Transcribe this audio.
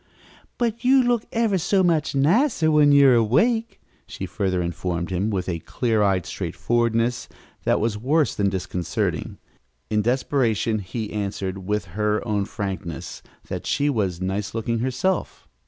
"But you look ever so much nicer when you are awake," she further informed him, with a clear eyed straightforwardness that was worse than disconcerting. In desperation he answered, with her own frankness, that she was nice looking herself.